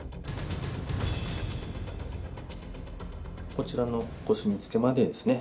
こちらのコスミツケまでですね